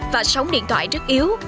và sống điện thoại rất yếu